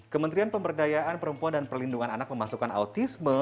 kementerian pemberdayaan perempuan dan perlindungan anak memasukkan autisme